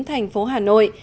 thành phố hà nội